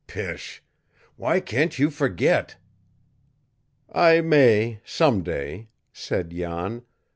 Pish! Why can't you forget?" "I may some day," said Jan.